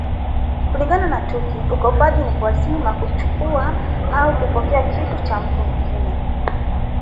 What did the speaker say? Kulingana na Tuki , Ukopaji ni kuazima, kuchukua au kupokea kitu cha mtu mwingine